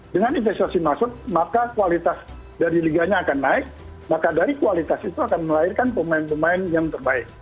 dengan investasi masuk maka kualitas dari liganya akan naik maka dari kualitas itu akan melahirkan pemain pemain yang terbaik